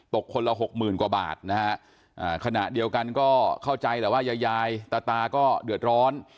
ตกคนละ๖๐๐๐๐กว่าบาทขณะเดียวกันเข้าใจแต่ว่ายายยายตาตาก็เดือดร้อน